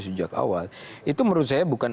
sejak awal itu menurut saya bukan